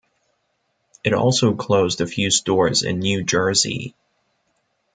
It also closed a few stores in New Jersey.